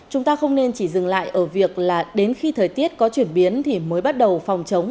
chúng ta không nên chỉ dừng lại ở việc là đến khi thời tiết có chuyển biến thì mới bắt đầu phòng chống